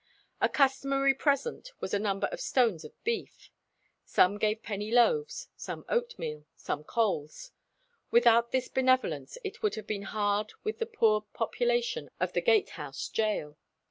A customary present was a number of stones of beef. Some gave penny loaves, some oatmeal, some coals. Without this benevolence it would have gone hard with the poor population of the Gate house gaol.